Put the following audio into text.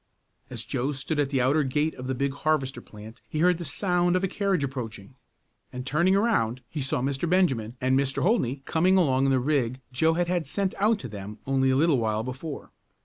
As Joe stood at the outer gate of the big harvester plant he heard the sound of a carriage approaching, and turning around he saw Mr. Benjamin and Mr. Holdney coming along in the rig Joe had had sent out to them only a little while before.